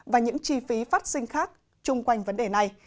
và những chi phí phát sinh khác chung quanh vấn đề này